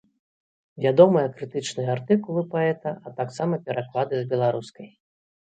Вядомыя крытычныя артыкулы паэта, а таксама пераклады з беларускай.